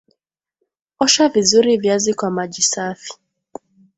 Osha vizuri viazi kwa maji safi